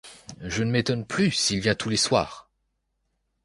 Je ne m'étonne plus s'il vient tous les soirs!